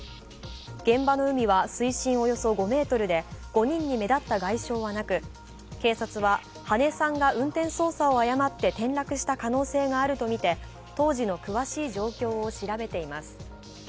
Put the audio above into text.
現場の海は水深およそ５ｍで５人に目立った外傷はなく警察は羽根さんが運転操作を誤って転落した可能性があるとみて当時の詳しい状況を調べています。